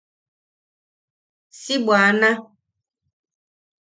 Si bwana.